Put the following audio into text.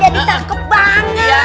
jadi takut banget